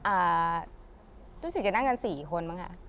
อ่าทุกชีพจะนั่งกัน๔คนบ้างค่ะ